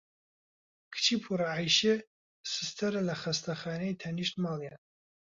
کچی پوورە عەیشێ سستەرە لە خەستانەی تەنیشت ماڵیان.